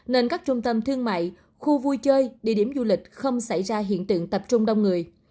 nên các trung tâm thương mại khu vui chơi địa điểm du lịch không xảy ra hiện tượng tập trung đông người